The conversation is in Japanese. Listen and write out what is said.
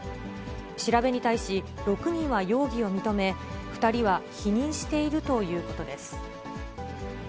調べに対し、６人は容疑を認め、２人は否認しているということです。